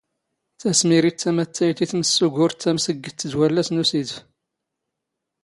ⵜⴰⵙⵎⵉⵔⵉⵜ ⵜⴰⵎⴰⵜⵜⴰⵢⵜ ⵉ ⵜⵎⵙⵙⵓⴳⵓⵔⵜ ⵜⴰⵎⵙⴳⴳⴷⵜ ⴷ ⵡⴰⵍⵍⴰⵙ ⵏ ⵓⵙⵉⴷⴼ.